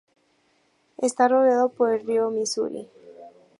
Está rodeado por el río Misuri.